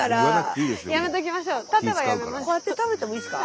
こうやって食べてもいいですか？